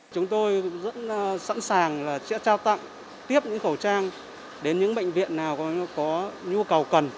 chúng tôi rất sẵn sàng sẽ trao tặng tiếp những khẩu trang đến những bệnh viện nào có nhu cầu cần